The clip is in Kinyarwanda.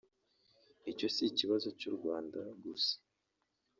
Icyo si ikibazo cy’u Rwanda gusa